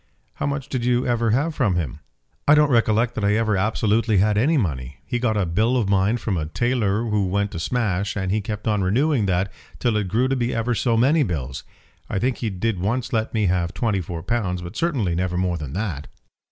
"How much did you ever have from him?" "I don't recollect that I ever absolutely had any money. He got a bill of mine from a tailor who went to smash, and he kept on renewing that till it grew to be ever so many bills. I think he did once let me have twenty four pounds, but certainly never more than that."